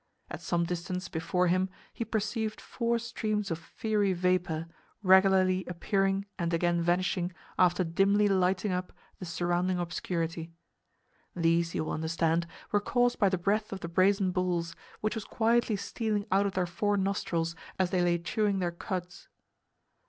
At some distance before him he perceived four streams of fiery vapor, regularly appearing and again vanishing after dimly lighting up the surrounding obscurity. These, you will understand, were caused by the breath of the brazen bulls, which was quietly stealing out of their four nostrils as they lay chewing their cuds.